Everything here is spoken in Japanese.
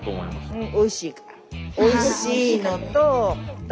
うん。